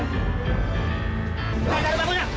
kebukin aja dede